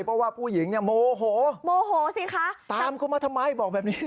เพราะว่าผู้หญิงเนี่ยโมโหโมโหสิคะตามกูมาทำไมบอกแบบนี้